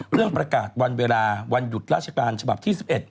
เรื่องประกาศวันเวลาวันหยุดราชการฉบับที่๑๑